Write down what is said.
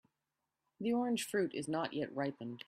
The orange fruit is not yet ripened.